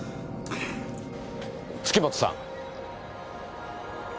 月本さん！